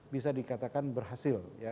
bisa dikatakan berhasil